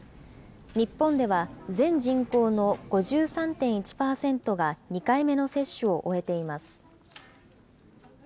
日本では全人口の５３．１％が２回目の接種を終えています。